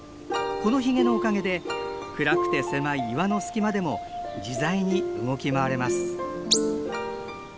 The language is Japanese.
このヒゲのおかげで暗くて狭い岩の隙間でも自在に動き回れます。